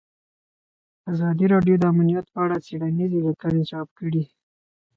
ازادي راډیو د امنیت په اړه څېړنیزې لیکنې چاپ کړي.